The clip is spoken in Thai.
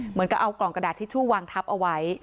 เหมือนกับเอากล่องกระดาษทิชชู่วางทับเอาไว้